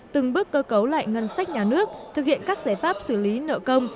từng bước cơ cấu lại ngân sách nhà nước thực hiện các giải pháp xử lý nợ công